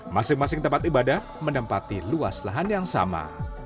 masing masing tempat ibadah menempati luas lahan yang sama